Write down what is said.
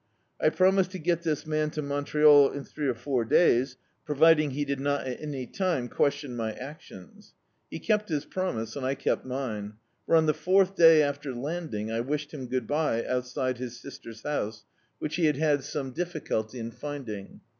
I promised to get this man to Montreal in three or four days, providing he did not at any time question my actions. He kept his promise and I kept mine, for on the fourth day after landing, I wished him good bye outside his sister's house, which he had had some fi74l D,i.,.db, Google Off Again difficulty in finding.